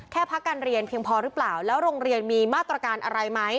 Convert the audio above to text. แค่พักการเรียนเพียงพอหรือเปล่าแล้วโรงเรียนมีมาตรการอะไรไหม